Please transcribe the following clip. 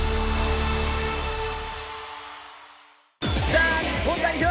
さあ、日本代表！